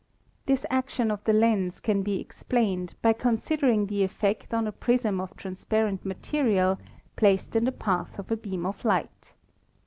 This action of the lens can be explained by considering the effect on a prism of transparent material METHODS OF OBSERVATION 15 placed in the path of a beam of light.